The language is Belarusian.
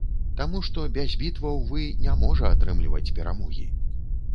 Таму, што без бітваў вы не можа атрымліваць перамогі.